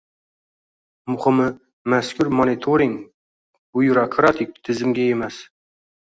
Muhimi – mazkur monitoring byurokratik tizimga emas